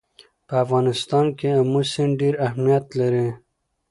په افغانستان کې آمو سیند ډېر اهمیت لري.